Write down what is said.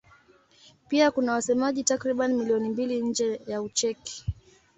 Pia kuna wasemaji takriban milioni mbili nje ya Ucheki.